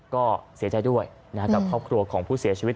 ก็เสียใจด้วยนะครับกับครอบครัวของผู้เสียชีวิต